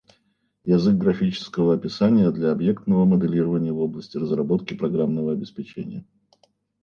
Язык графического описания для объектного моделирования в области разработки программного обеспечения